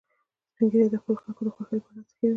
سپین ږیری د خپلو خلکو د خوښۍ لپاره هڅې کوي